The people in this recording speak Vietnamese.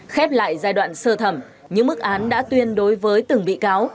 khép lại giai đoạn sơ thẩm những mức án đã tuyên đối với từng bị cáo